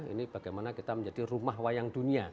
ini bagaimana kita menjadi rumah wayang dunia